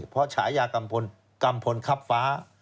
เพราะฉายากำพลกำพลคับฟ้า